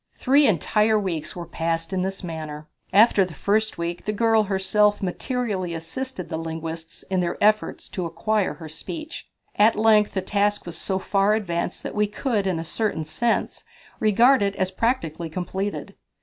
Three entire weeks were passed in this manner. After the first week the girl herself materially assisted the linguists in their efforts to acquire her speech. At length the task was so far advanced that we could, in a certain sense, regard it as practically completed.